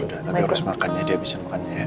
ya udah tapi harus makan ya dia bisa makan ya